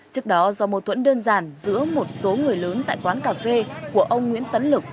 trước đó do mâu thuẫn đơn giản giữa một số người lớn tại quán cà phê của ông nguyễn tấn lực